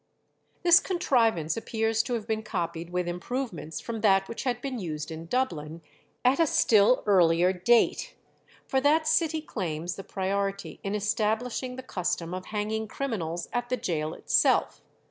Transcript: This contrivance appears to have been copied with improvements from that which had been used in Dublin at a still earlier date, for that city claims the priority in establishing the custom of hanging criminals at the gaol itself.